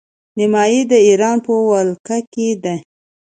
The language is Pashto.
نیمايي د ایران په ولکه کې دی.